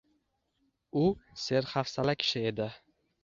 U serhafsala kishi edi.